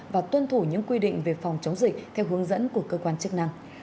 và tuân thủ những quy định về phòng chống dịch theo hướng dẫn của cơ quan chức năng